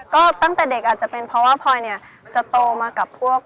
ก็ตั้งแต่เด็กอาจจะเป็นเพราะว่าพลอยเนี่ยจะโตมากับพวก